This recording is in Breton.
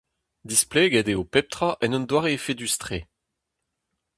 Displeget eo pep tra en un doare efedus-tre.